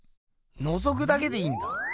のぞくだけでいいんだ。